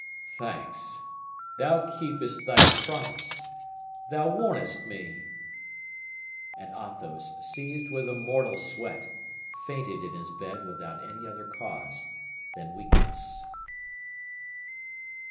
thanks! thou keepest thy promise, thou warnest me!" And Athos, seized with a mortal sweat, fainted in his bed, without any other cause than weakness.